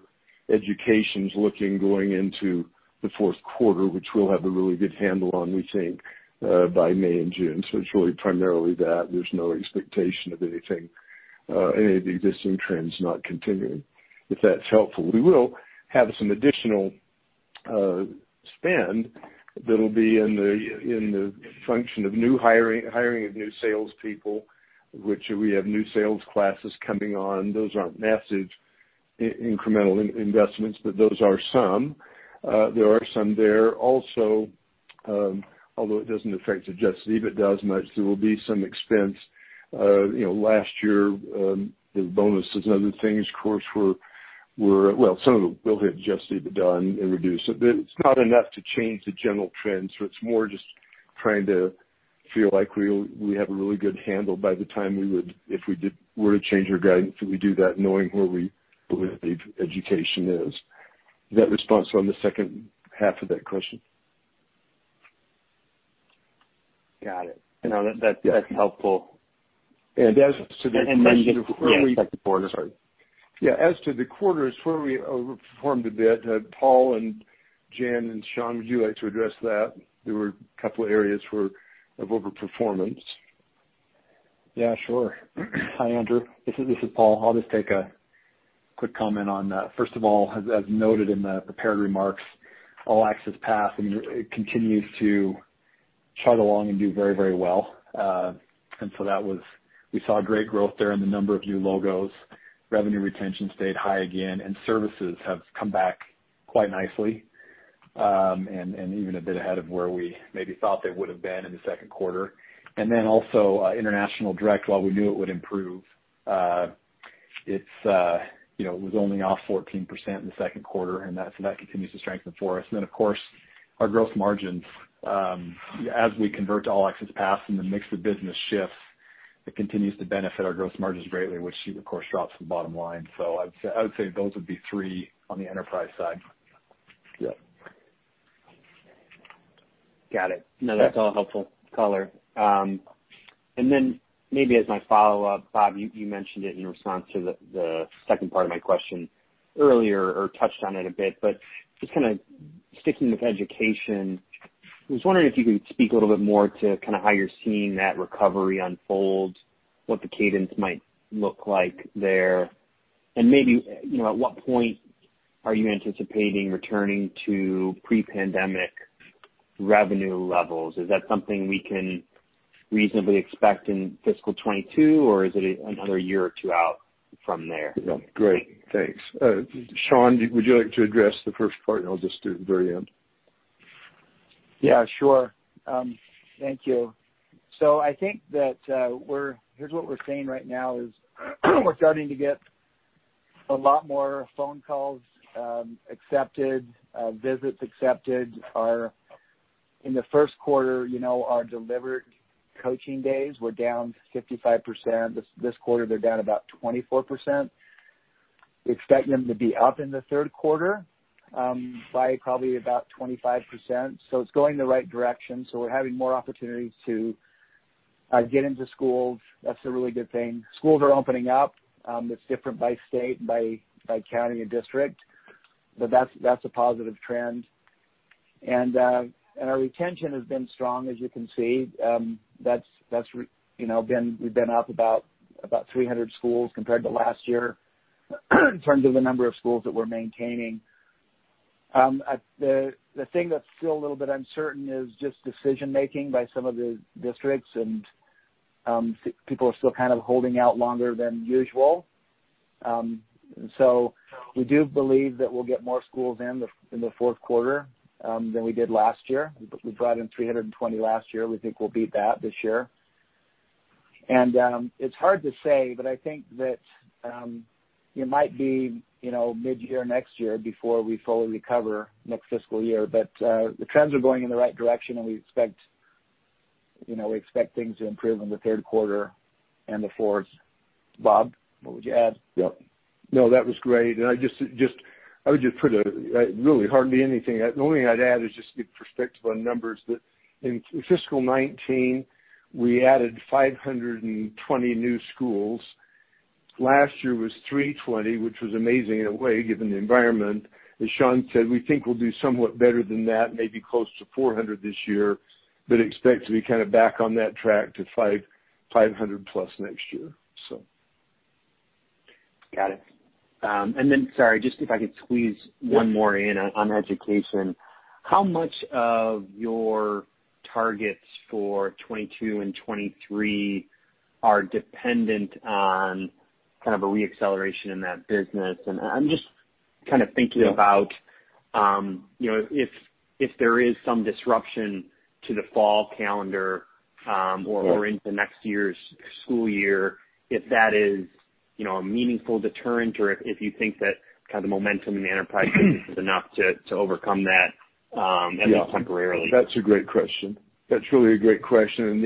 education is looking going into the fourth quarter, which we'll have a really good handle on, we think, by May and June. It's really primarily that. There's no expectation of any of the existing trends not continuing, if that's helpful. We will have some additional spend that'll be in the function of hiring of new salespeople, which we have new sales classes coming on. Those aren't massive incremental investments, but those are some. There are some there. Also, although it doesn't affect Adjusted EBITDA as much, there will be some expense. Last year, the bonuses and other things, of course, were Well, some of them will hit Adjusted EBITDA and reduce it. It's not enough to change the general trend. It's more just trying to feel like we have a really good handle by the time we would, if we were to change our guidance, that we do that knowing where we believe education is. Is that responsive on the second half of that question? Got it. No, that's helpful. as to the just Where we Yeah. Sorry. As to the quarters where we overperformed a bit, Paul and Jen and Sean, would you like to address that? There were a couple of areas of overperformance. Sure. Hi, Andrew. This is Paul. I'll just take a quick comment on that. First of all, as noted in the prepared remarks, All Access Pass, it continues to chug along and do very well. We saw great growth there in the number of new logos. Revenue retention stayed high again, and services have come back quite nicely. Even a bit ahead of where we maybe thought they would have been in the second quarter. Also, international direct, while we knew it would improve, it was only off 14% in the second quarter, and that continues to strengthen for us. Then, of course, our growth margins. As we convert to All Access Pass and the mix of business shifts, it continues to benefit our growth margins greatly, which of course, drops to the bottom line. I would say those would be three on the enterprise side. Yeah. Got it. No, that's all helpful color. Maybe as my follow-up, Bob, you mentioned it in response to the second part of my question earlier or touched on it a bit, but just kind of sticking with education, I was wondering if you could speak a little bit more to how you're seeing that recovery unfold. What the cadence might look like there. Maybe, at what point are you anticipating returning to pre-pandemic revenue levels? Is that something we can reasonably expect in FY '22, or is it another year or two out from there? Yeah. Great. Thanks. Sean, would you like to address the first part, I'll just do the very end? Yeah, sure. Thank you. I think that here's what we're saying right now is we're starting to get A lot more phone calls accepted, visits accepted are in the first quarter, our delivered coaching days were down 55%. This quarter, they're down about 24%. We expect them to be up in the third quarter, by probably about 25%. It's going in the right direction. We're having more opportunities to get into schools. That's a really good thing. Schools are opening up. It's different by state, by county, and district, but that's a positive trend. Our retention has been strong, as you can see. We've been up about 300 schools compared to last year in terms of the number of schools that we're maintaining. The thing that's still a little bit uncertain is just decision-making by some of the districts and, people are still kind of holding out longer than usual. We do believe that we'll get more schools in the fourth quarter, than we did last year. We brought in 320 last year. We think we'll beat that this year. It's hard to say, but I think that it might be mid-year next year before we fully recover next fiscal year. The trends are going in the right direction and we expect things to improve in the third quarter and the fourth. Bob, what would you add? Yep. No, that was great. I would just really hardly anything. The only thing I'd add is just the perspective on numbers, that in FY 2019, we added 520 new schools. Last year was 320, which was amazing in a way, given the environment. As Sean said, we think we'll do somewhat better than that, maybe close to 400 this year, expect to be kind of back on that track to 500 plus next year. Got it. Sorry, just if I could squeeze one more in on education. How much of your targets for FY 2022 and FY 2023 are dependent on kind of a re-acceleration in that business? I'm just kind of thinking about. Yeah If there is some disruption to the fall calendar. Sure Into next year's school year, if that is a meaningful deterrent or if you think that kind of momentum in the enterprise is enough to overcome that. Yeah At least temporarily. That's a great question. That's really a great question.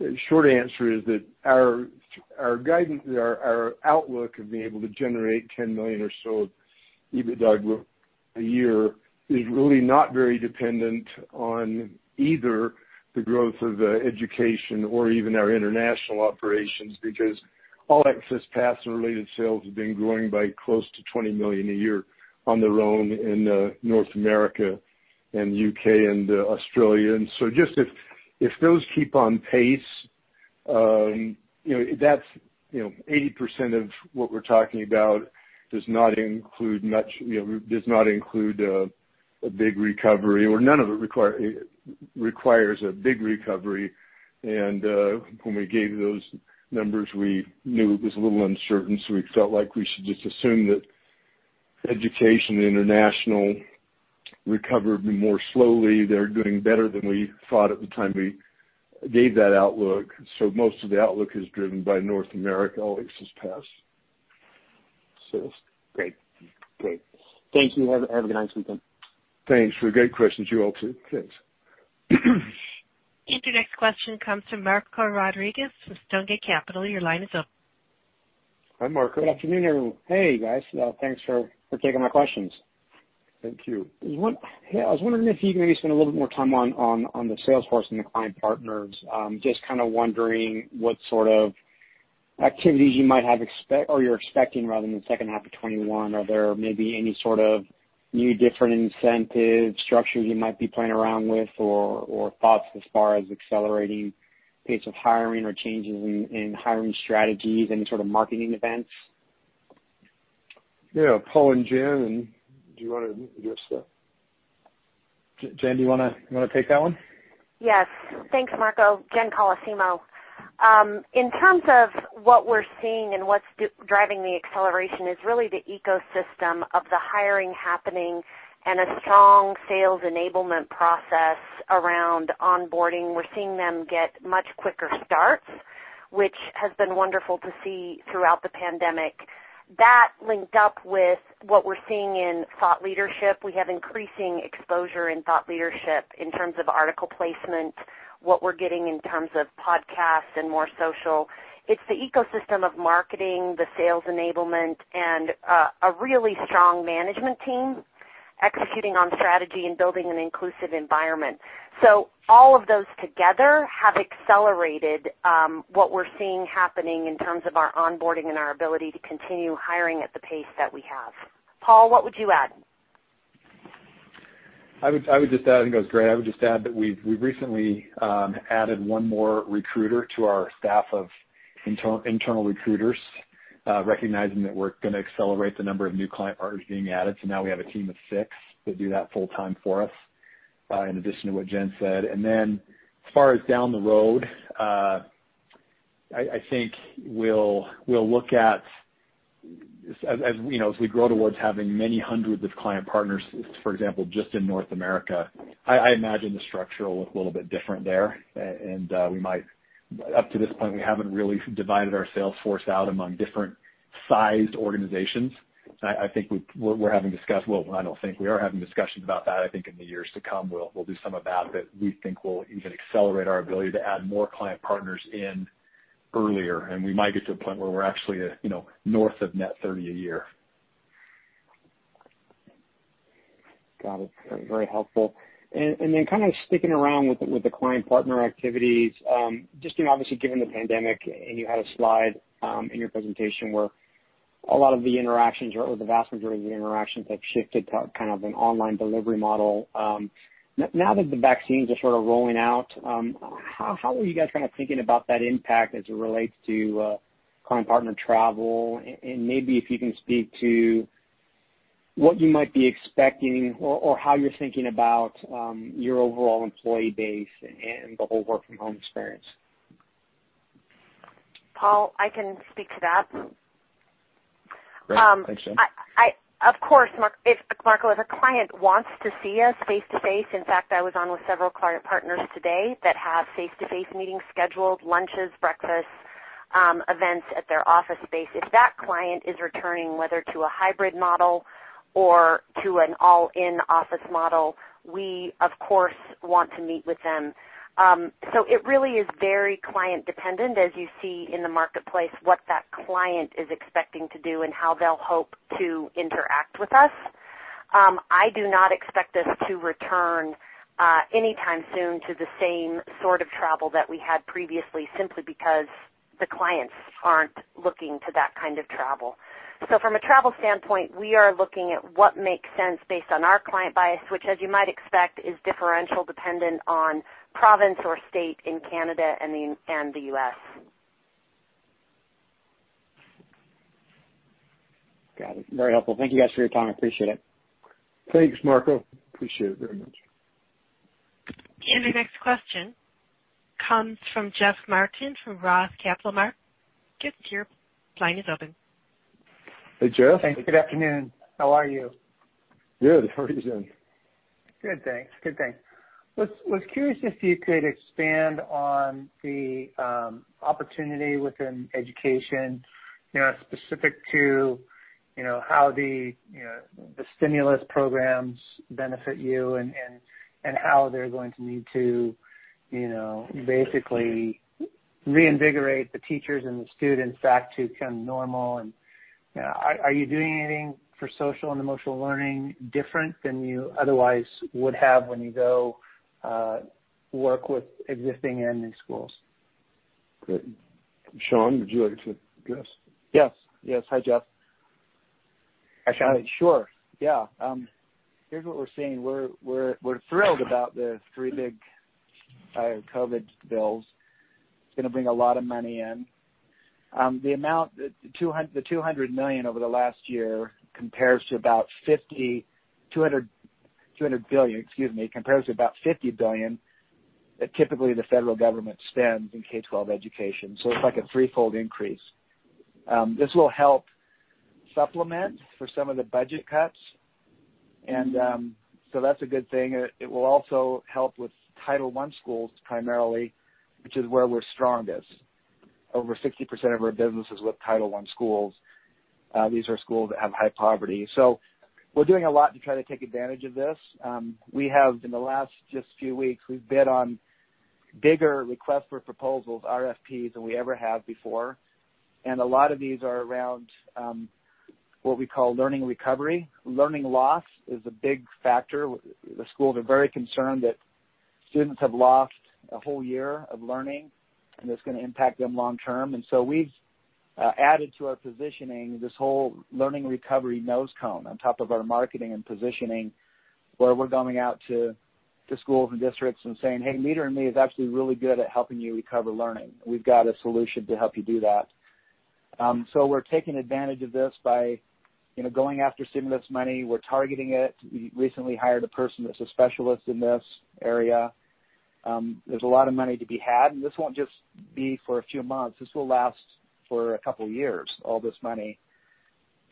The short answer is that our guidance, our outlook of being able to generate $10 million or so of EBITDA growth a year is really not very dependent on either the growth of the education or even our international operations, because All Access Pass and related sales have been growing by close to $20 million a year on their own in North America and U.K. and Australia. Just if those keep on pace, that's 80% of what we're talking about, does not include a big recovery or none of it requires a big recovery. When we gave those numbers, we knew it was a little uncertain, so we felt like we should just assume that education international recovered more slowly. They're doing better than we thought at the time we gave that outlook. Most of the outlook is driven by North America All Access Pass. Great. Thank you. Have a great night, sweetie. Thanks. Great questions you all too. Thanks. Your next question comes from Marco Rodriguez with Stonegate Capital. Your line is open. Hi, Marco. Good afternoon, everyone. Hey, guys. Thanks for taking my questions. Thank you. I was wondering if you could maybe spend a little bit more time on the sales force and the client partners. Just kind of wondering what sort of activities you might have or you're expecting rather in the second half of 2021. Are there maybe any sort of new different incentive structures you might be playing around with, or thoughts as far as accelerating pace of hiring or changes in hiring strategies, any sort of marketing events? Yeah. Paul and Jen, do you want to give us the Jen, do you want to take that one? Yes. Thanks, Marco. Jen Colosimo. In terms of what we're seeing and what's driving the acceleration is really the ecosystem of the hiring happening and a strong sales enablement process around onboarding. We're seeing them get much quicker starts, which has been wonderful to see throughout the pandemic. That linked up with what we're seeing in thought leadership. We have increasing exposure in thought leadership in terms of article placement, what we're getting in terms of podcasts and more social. It's the ecosystem of marketing, the sales enablement, and a really strong management team executing on strategy and building an inclusive environment. All of those together have accelerated what we're seeing happening in terms of our onboarding and our ability to continue hiring at the pace that we have. Paul, what would you add? I would just add, I think that was great. I would just add that we've recently added one more recruiter to our staff of internal recruiters, recognizing that we're going to accelerate the number of new client partners being added. Now we have a team of six that do that full-time for us, in addition to what Jen said. As far as down the road, I think we'll look at, as we grow towards having many hundreds of client partners, for example, just in North America, I imagine the structure will look a little bit different there. Up to this point, we haven't really divided our sales force out among different sized organizations. I think we're having discussions. Well, we are having discussions about that. I think in the years to come, we'll do some of that we think will even accelerate our ability to add more client partners in earlier, and we might get to a point where we're actually north of net 30 a year. Got it. Very helpful. Kind of sticking around with the client partner activities. Obviously given the pandemic, and you had a slide in your presentation where a lot of the interactions, or the vast majority of the interactions have shifted to kind of an online delivery model. Now that the vaccines are sort of rolling out, how are you guys kind of thinking about that impact as it relates to client partner travel, and maybe if you can speak to what you might be expecting or how you're thinking about your overall employee base and the whole work from home experience? Paul, I can speak to that. Great. Thanks, Jill. Of course, Marco, if a client wants to see us face to face, in fact, I was on with several client partners today that have face to face meetings scheduled, lunches, breakfasts, events at their office space. If that client is returning, whether to a hybrid model or to an all in office model, we of course, want to meet with them. It really is very client dependent, as you see in the marketplace, what that client is expecting to do and how they'll hope to interact with us. I do not expect us to return, anytime soon, to the same sort of travel that we had previously, simply because the clients aren't looking to that kind of travel. From a travel standpoint, we are looking at what makes sense based on our client base, which as you might expect, is differential dependent on province or state in Canada and the U.S. Got it. Very helpful. Thank you guys for your time. Appreciate it. Thanks, Marco. Appreciate it very much. The next question comes from Jeff Martin from ROTH Capital. Marco, Jeff, your line is open. Hey, Jeff. Thank you. Good afternoon. How are you? Good. How are you doing? Good, thanks. I was curious if you could expand on the opportunity within education specific to how the stimulus programs benefit you and how they're going to need to basically reinvigorate the teachers and the students back to kind of normal. Are you doing anything for social and emotional learning different than you otherwise would have when you go work with existing and new schools? Great. Sean, would you like to guess? Yes. Hi, Jeff. Hi, Sean. Sure, yeah. Here's what we're seeing. We're thrilled about the three big COVID bills. It's going to bring a lot of money in. The $200 million over the last year compares to about $200 billion, excuse me, compares to about $50 billion that typically the federal government spends in K-12 education. It's like a threefold increase. This will help supplement for some of the budget cuts. That's a good thing. It will also help with Title I schools primarily, which is where we're strongest. Over 60% of our business is with Title I schools. These are schools that have high poverty. We're doing a lot to try to take advantage of this. We have in the last just few weeks, we've bid on bigger requests for proposals, RFPs, than we ever have before. A lot of these are around what we call learning recovery. Learning loss is a big factor. The schools are very concerned that students have lost a whole year of learning, and it's going to impact them long term. We've added to our positioning this whole learning recovery nose cone on top of our marketing and positioning, where we're going out to schools and districts and saying, "Hey, Leader in Me is actually really good at helping you recover learning. We've got a solution to help you do that." We're taking advantage of this by going after stimulus money. We're targeting it. We recently hired a person that's a specialist in this area. There's a lot of money to be had, and this won't just be for a few months. This will last for a couple of years, all this money.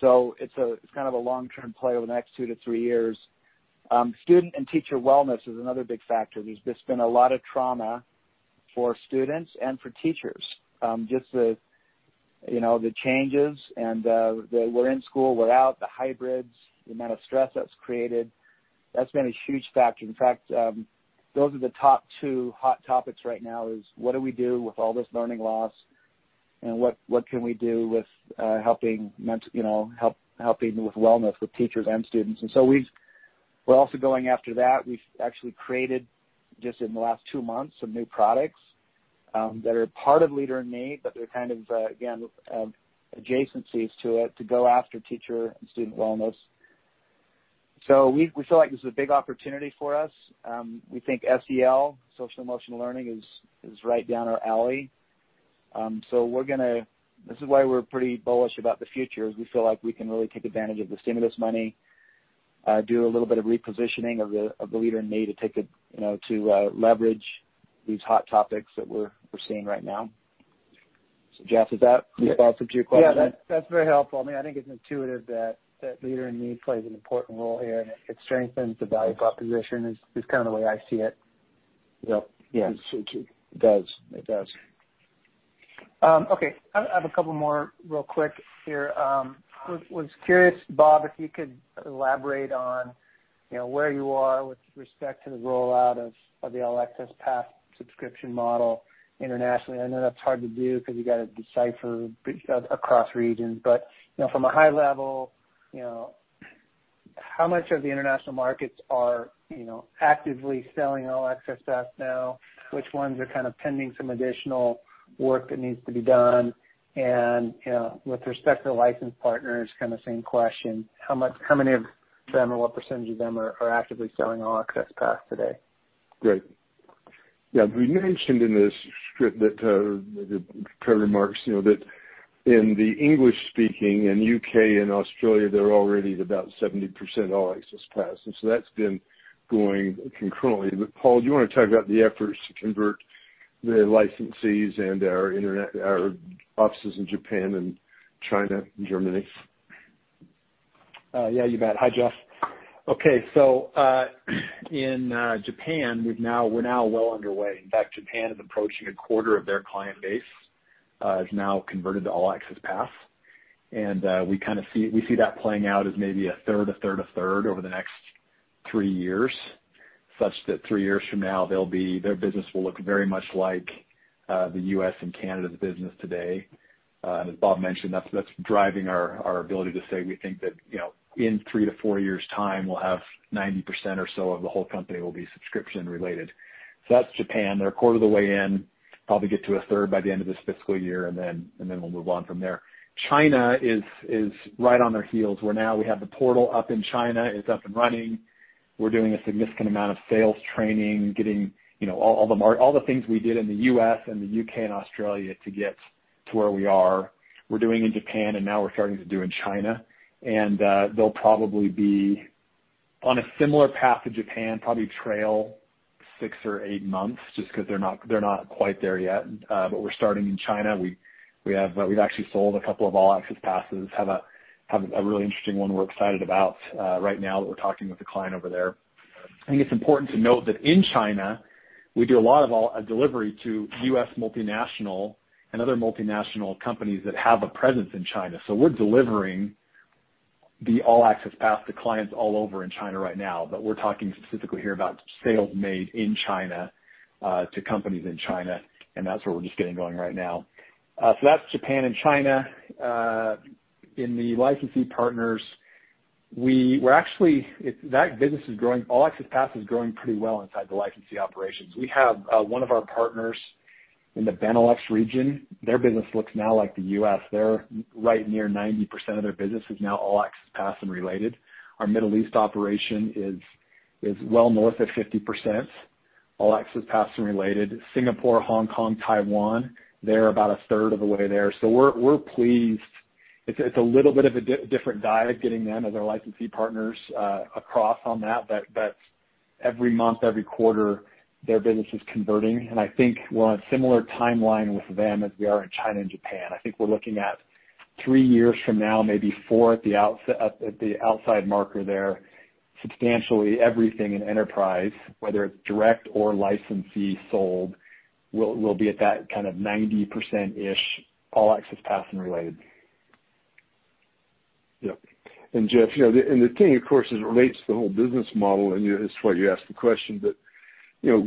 It's kind of a long-term play over the next two to three years. Student and teacher wellness is another big factor. There's just been a lot of trauma for students and for teachers. Just the changes and they were in school, were out, the hybrids, the amount of stress that's created, that's been a huge factor. In fact, those are the top two hot topics right now is what do we do with all this learning loss and what can we do with helping with wellness with teachers and students. We're also going after that. We've actually created, just in the last two months, some new products that are part of Leader in Me, but they're kind of again, adjacencies to it to go after teacher and student wellness. We feel like this is a big opportunity for us. We think SEL, social emotional learning, is right down our alley. This is why we're pretty bullish about the future, is we feel like we can really take advantage of the stimulus money, do a little bit of repositioning of the Leader in Me to leverage these hot topics that we're seeing right now. Jeff, is that responsive to your question? Yeah, that's very helpful. I mean, I think it's intuitive that Leader in Me plays an important role here and it strengthens the value proposition is kind of the way I see it. Yep. Yeah. It does. Okay. I have a couple more real quick here. Was curious, Bob, if you could elaborate on where you are with respect to the rollout of the All Access Pass subscription model internationally. I know that's hard to do because you got to decipher across regions. From a high level, how much of the international markets are actively selling All Access Pass now? Which ones are kind of pending some additional work that needs to be done? With respect to license partners, kind of same question. How many of them, or what percentage of them are actively selling All Access Pass today? Great. Yeah. We mentioned in the script that, the prepared remarks, that in the English-speaking and U.K. and Australia, they're already at about 70% All Access Pass. That's been going concurrently. Paul, do you want to talk about the efforts to convert the licensees and our offices in Japan and China and Germany? Yeah, you bet. Hi, Jeff. Okay. In Japan, we're now well underway. In fact, Japan is approaching a quarter of their client base, has now converted to All Access Pass. We see that playing out as maybe a third, a third, a third over the next three years, such that three years from now, their business will look very much like the U.S. and Canada's business today. As Bob mentioned, that's driving our ability to say we think that, in three to four years' time, we'll have 90% or so of the whole company will be subscription-related. That's Japan. They're a quarter of the way in. Probably get to a third by the end of this fiscal year. We'll move on from there. China is right on their heels, where now we have the portal up in China. It's up and running. We're doing a significant amount of sales training, getting all the things we did in the U.S. and the U.K. and Australia to get to where we are. We're doing in Japan, now we're starting to do in China. They'll probably be on a similar path to Japan, probably trail six or eight months just because they're not quite there yet. We're starting in China. We've actually sold a couple of All Access Passes, have a really interesting one we're excited about right now that we're talking with a client over there. I think it's important to note that in China, we do a lot of all delivery to U.S. multinational and other multinational companies that have a presence in China. We're delivering the All Access Pass to clients all over in China right now. We're talking specifically here about sales made in China, to companies in China, and that's where we're just getting going right now. That's Japan and China. In the licensee partners, All Access Pass is growing pretty well inside the licensee operations. We have one of our partners in the Benelux region. Their business looks now like the U.S. They're right near 90% of their business is now All Access Pass and related. Our Middle East operation is well north of 50% All Access Pass and related. Singapore, Hong Kong, Taiwan, they're about a third of the way there. We're pleased. It's a little bit of a different diet getting them as our licensee partners across on that. Every month, every quarter, their business is converting. I think we're on a similar timeline with them as we are in China and Japan. I think we're looking at three years from now, maybe four at the outside marker there. Substantially everything in enterprise, whether it's direct or licensee sold, will be at that kind of 90%-ish All Access Pass and related. Yep. Jeff, the thing, of course, as it relates to the whole business model, and it's why you asked the question, but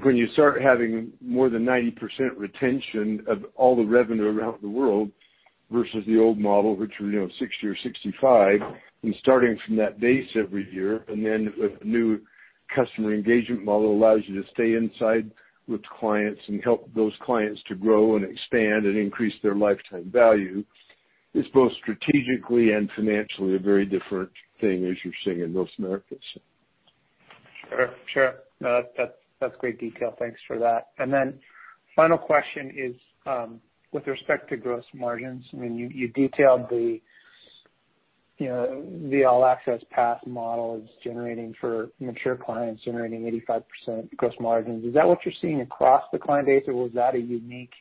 when you start having more than 90% retention of all the revenue around the world versus the old model, which was 60 or 65, starting from that base every year, then with the new customer engagement model allows you to stay inside with clients and help those clients to grow and expand and increase their lifetime value, is both strategically and financially a very different thing as you're seeing in those markets. Sure. No, that's great detail. Thanks for that. Final question is, with respect to gross margins, you detailed the All Access Pass model is generating for mature clients, generating 85% gross margins. Is that what you're seeing across the client base, or was that a unique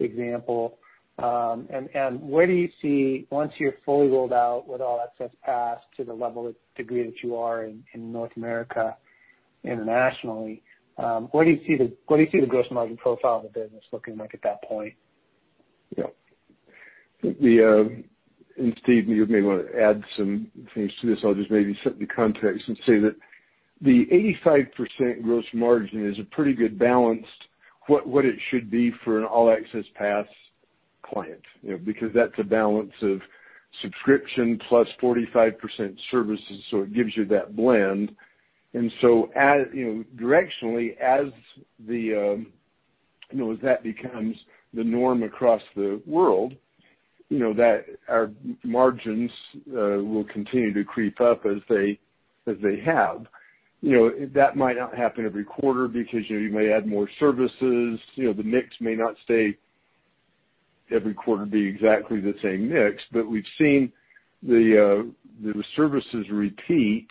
example? Where do you see, once you're fully rolled out with All Access Pass to the level of degree that you are in North America, internationally, where do you see the gross margin profile of the business looking like at that point? Yeah. Steve, you may want to add some things to this. I'll just maybe set the context and say that the 85% gross margin is a pretty good balance what it should be for an All Access Pass client. Because that's a balance of subscription plus 45% services, so it gives you that blend. Directionally, as that becomes the norm across the world, our margins will continue to creep up as they have. That might not happen every quarter because you may add more services. The mix may not every quarter be exactly the same mix. We've seen the services repeat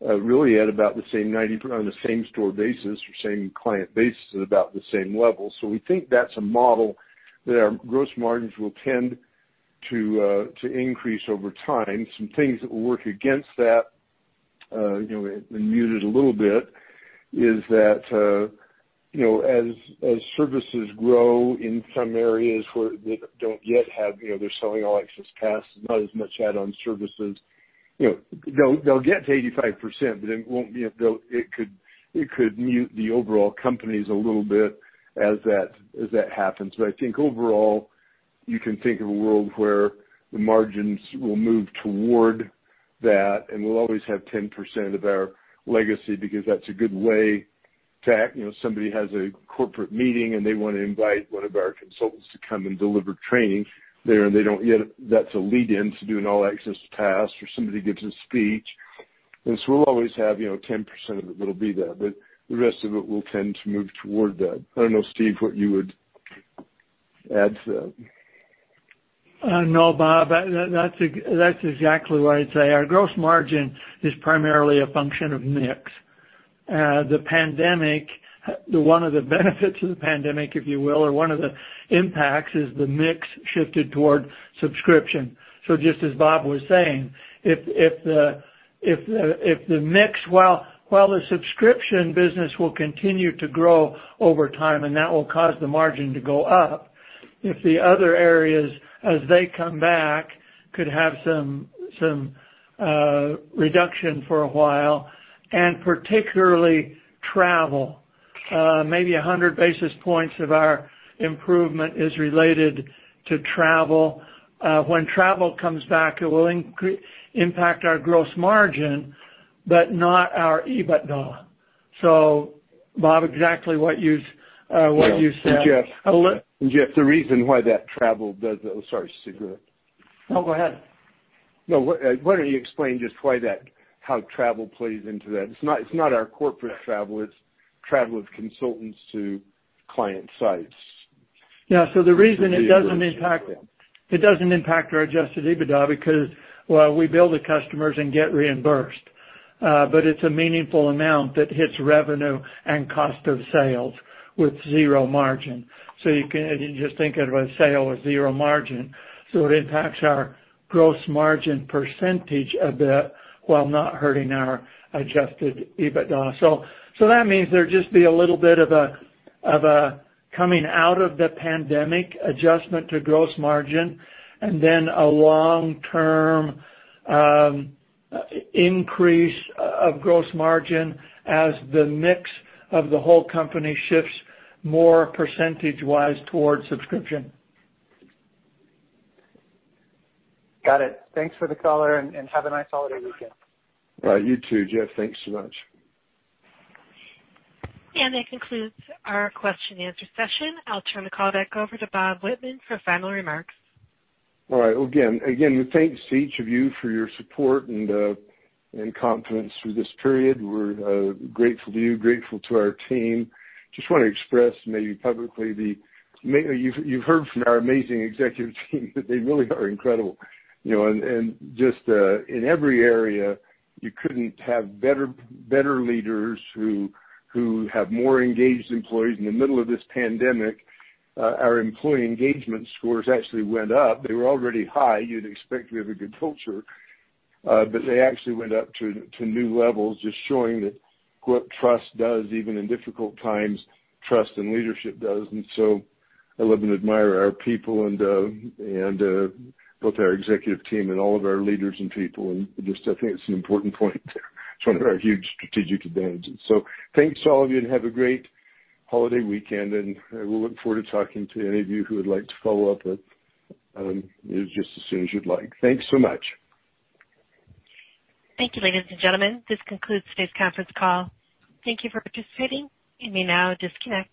really at about the same 90 on the same store basis or same client basis at about the same level. We think that's a model that our gross margins will tend to increase over time. Some things that will work against that We muted a little bit is that, as services grow in some areas where they're selling All Access Pass, not as much add-on services, they'll get to 85%, but it could mute the overall companies a little bit as that happens. I think overall, you can think of a world where the margins will move toward that, and we'll always have 10% of our legacy because that's a good way to act. Somebody has a corporate meeting, and they want to invite one of our consultants to come and deliver training there, and that's a lead-in to do an All Access Pass or somebody gives a speech. We'll always have 10% of it that'll be there, but the rest of it will tend to move toward that. I don't know, Steve, what you would add to that. No, Bob, that's exactly what I'd say. Our gross margin is primarily a function of mix. One of the benefits of the pandemic, if you will, or one of the impacts, is the mix shifted toward subscription. Just as Bob was saying, if the mix, while the subscription business will continue to grow over time, and that will cause the margin to go up, if the other areas, as they come back, could have some reduction for a while, and particularly travel. Maybe 100 basis points of our improvement is related to travel. When travel comes back, it will impact our gross margin, but not our EBITDA. Bob, exactly what you said. Jeff, the reason why that travel, Oh, sorry, Steve, go ahead. No, go ahead. No, why don't you explain just how travel plays into that? It's not our corporate travel; it's travel of consultants to client sites. Yeah. The reason it doesn't impact our Adjusted EBITDA, because, well, we bill the customers and get reimbursed. It's a meaningful amount that hits revenue and cost of sales with zero margin. You can just think of a sale with zero margin. It impacts our gross margin percentage a bit while not hurting our Adjusted EBITDA. That means there'd just be a little bit of a coming out of the pandemic adjustment to gross margin and then a long-term increase of gross margin as the mix of the whole company shifts more percentage-wise towards subscription. Got it. Thanks for the color. Have a nice holiday weekend. You too, Jeff. Thanks so much. That concludes our question and answer session. I'll turn the call back over to Bob Whitman for final remarks. All right. Again, my thanks to each of you for your support and confidence through this period. We're grateful to you, grateful to our team. Just want to express maybe publicly, you've heard from our amazing executive team that they really are incredible. Just in every area, you couldn't have better leaders who have more engaged employees. In the middle of this pandemic, our employee engagement scores actually went up. They were already high. You'd expect we have a good culture. They actually went up to new levels, just showing what trust does even in difficult times, trust and leadership does. I love and admire our people and both our executive team and all of our leaders and people, just I think it's an important point there. It's one of our huge strategic advantages. Thanks to all of you, have a great holiday weekend, we look forward to talking to any of you who would like to follow up with me just as soon as you'd like. Thanks so much. Thank you, ladies and gentlemen. This concludes today's conference call. Thank you for participating. You may now disconnect.